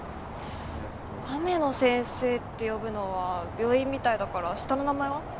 「雨野先生」って呼ぶのは病院みたいだから下の名前は？